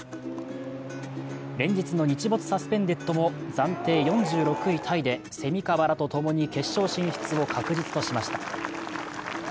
連日の日没サスペンデッドも暫定４６位タイで蝉川らとともに決勝進出を確実としました。